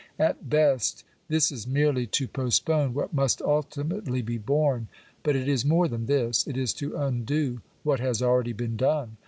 At best this is merely to postpone what must ultimately be borne. But it is more than this : it is to undo what has already been done.